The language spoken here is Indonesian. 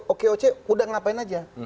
okoc udah ngapain aja